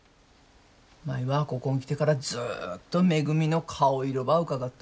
舞はここん来てからずっとめぐみの顔色ばうかがっとる。